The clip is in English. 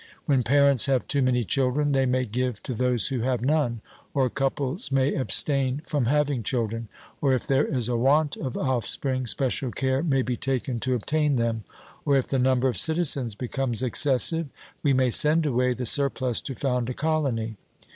When parents have too many children they may give to those who have none, or couples may abstain from having children, or, if there is a want of offspring, special care may be taken to obtain them; or if the number of citizens becomes excessive, we may send away the surplus to found a colony.